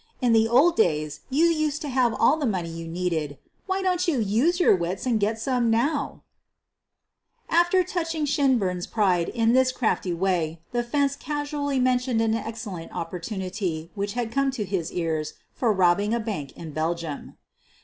In the old days you used to have all the money you needed — why don't you use your wits and get »ome now!" 210 SOPHIE LYONS After touching Shinburn's pride in this crafty way, the ' 'fence' ' casually mentioned an excellent opportunity which had come to his ears for robbing a bank in Belgium.